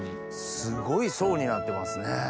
すごい層になってますね。